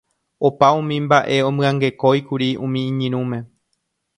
Opa umi mba'e omyangekóikuri umi iñirũme.